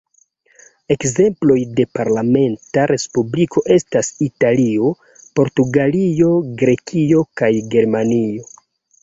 Ekzemploj de parlamenta respubliko estas Italio, Portugalio, Grekio kaj Germanio.